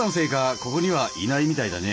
ここにはいないみたいだね。